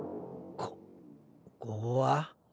こここは？